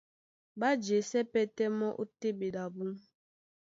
Ɓá jesɛ́ pɛ́tɛ́ mɔ́ ó téɓedi abú.